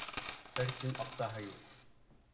Бер тин аҡсаһы юҡ!